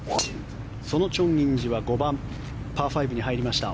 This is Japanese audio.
そのチョン・インジは５番、パー５に入りました。